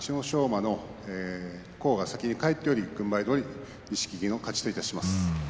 馬の甲が先に返っており軍配どおり錦木の勝ちといたします。